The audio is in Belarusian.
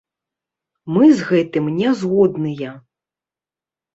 Мы з гэтым не згодныя!